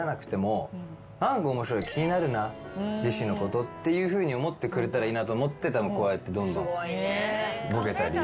「何か面白い」「気になるなジェシーのこと」っていうふうに思ってくれたらいいなと思ってこうやってどんどんボケたり。